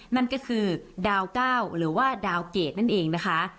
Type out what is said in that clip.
นั่นก็คือดาว๙หรือว่าดาวเกรดนั่นเองนะคะ